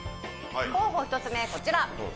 候補１つ目こちら。